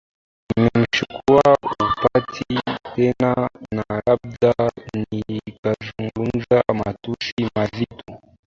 nimemchukua humpati tena na labda nikazungumza matusi mazito Ukizungumza hivi ni vitu vya kawaida